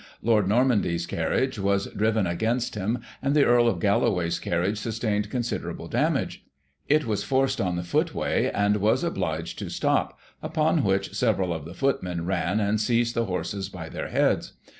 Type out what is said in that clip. Lord Normanby's carriage was driven against him, and the Earl of Galloway's carriage sustained considerable damage ; it was forced on the footway, and was obliged to stop, upon which, several of the footmen ran, and seized the horses by their heads.